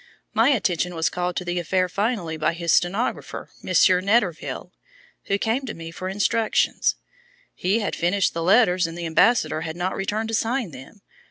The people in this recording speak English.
My attention was called to the affair finally by his stenographer, Monsieur Netterville, who came to me for instructions. He had finished the letters and the ambassador had not returned to sign them.